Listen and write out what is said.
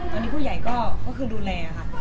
ตอนนี้ผู้ใหญ่ก็คือดูแลค่ะ